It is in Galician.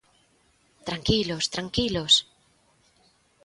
¡Tranquilos!, ¡tranquilos!